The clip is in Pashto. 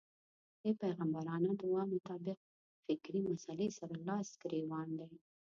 دې پيغمبرانه دعا مطابق فکري مسئلې سره لاس و ګرېوان دی.